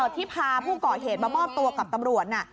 ที่พาผู้ก่อเหตุมามอบตัวกับตำรวจน่ะ